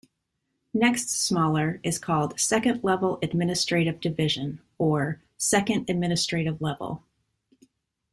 Next smaller is called "second-level administrative division" or "second administrative level".